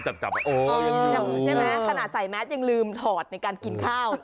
ใช่ไหมขนาดใส่แมสยังลืมถอดในการกินข้าว